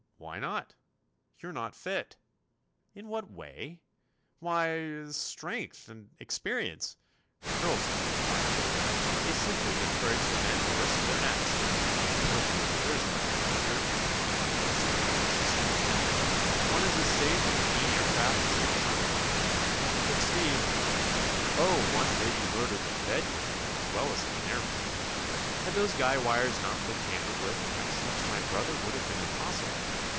"Why not?" "You're not fit." "In what way?" "Why, er—strength, and—and experience. Girls don't fly, my dear; they simply encourage the men to risk their necks." "Boo! there's no danger," asserted Orissa, scornfully. "One is as safe in the Kane Aircraft as in a trundle bed." "Yet Steve—" "Oh, one may be murdered in bed, you know, as well as in an aëroplane. Had those guy wires not been tampered with an accident to my brother would have been impossible.